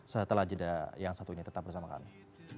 setelah jeda yang satunya tetap bersama kami